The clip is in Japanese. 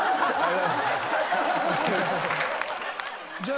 じゃあ今。